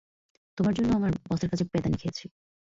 তোমার জন্য আমার বসের কাছে পেদানি খেয়েছি।